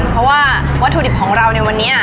เพราะว่าวัตถุดิบของเราในวันนี้